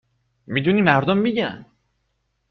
میدونی مردم میگن